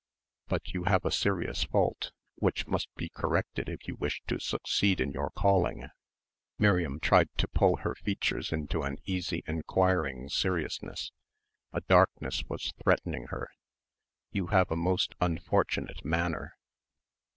But you have a serious fault which must be corrected if you wish to succeed in your calling." Miriam tried to pull her features into an easy enquiring seriousness. A darkness was threatening her. "You have a most unfortunate manner."